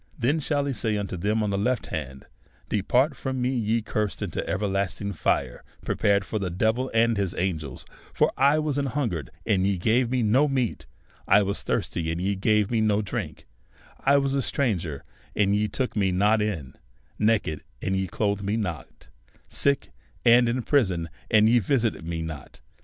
Then shall he say unto them on the left hand, Depart from me, ye cursed, into everlasting tire, prepared for the devil and his angels ; for I was an hinigered, and ye gave me no meat; I was thirsty, and ye gave me no drink ; I was a stranger, and ye took me not in ; naked, and ye clothed me not ; sick, and in prison, and ye visited me not.